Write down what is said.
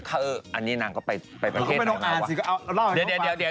เอออันนี้นางก็ไปประเทศอ่ะวะ